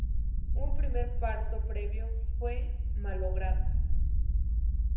Un primer parto previo fue malogrado.